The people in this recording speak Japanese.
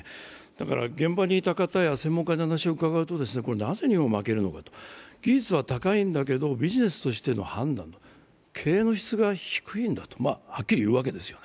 現場にいた方や専門家に話を伺うと、なぜ日本は負けるのか、技術は高いんだけど、ビジネスとしての判断だと、経営の質が低いんだと、はっきり言うわけですよね。